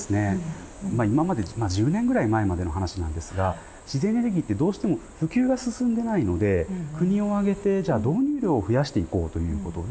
今まで１０年ぐらい前までの話なんですが自然エネルギーってどうしても普及が進んでないので国を挙げて導入量を増やしていこうということで